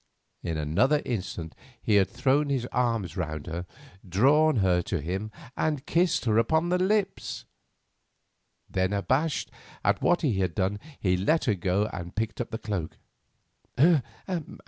In another instant he had thrown his arm round her, drawn her to him, and kissed her on the lips. Then, abashed at what he had done, he let her go and picked up the cloak.